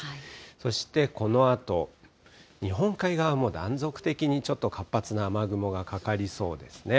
そしてこのあと、日本海側も断続的にちょっと活発な雨雲がかかりそうですね。